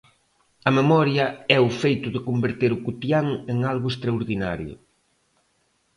A memoria é o feito de converter o cotián en algo extraordinario.